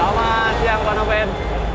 selamat siang pak noven